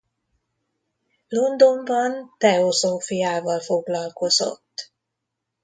Londonban teozófiával foglalkozott.